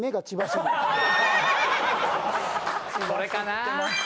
これかな。